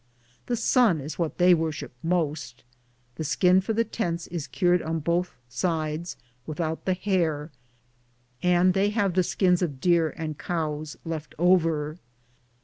The sun is what they worship most. The skin for the tents is cured on both sides, without the hair, and they have the skins of deer and cows left over.